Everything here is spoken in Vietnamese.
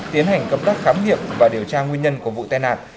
tiến hành cấp đắc khám nghiệp và điều tra nguyên nhân của vụ tai nạn